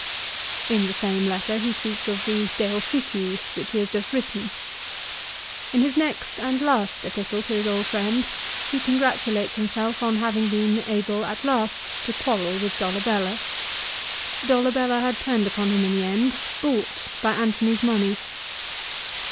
l In the same letter he speaks of the " De Officiis," which he has just written. In his next and last epistle to his old friend, he congratulates himself on having been able at last to quarrel with Dolabella. Dolabella had turned upon him in the end, bought by Antony's money.